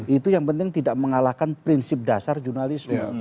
itu yang penting tidak mengalahkan prinsip dasar jurnalisme